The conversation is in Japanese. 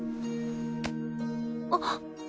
あっ。